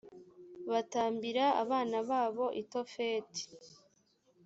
batambira abana babo i tofeti